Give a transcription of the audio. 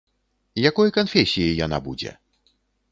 Якой канфесіі яна будзе?